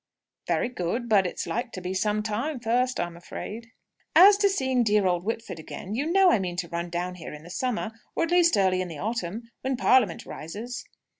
"Very good. But it's like to be some time first, I'm afraid." "As to seeing dear old Whitford again, you know I mean to run down here in the summer; or at least early in the autumn, when Parliament rises."